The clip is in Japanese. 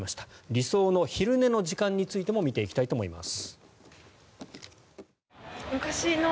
理想の昼寝の時間についても見ていきたいと思います。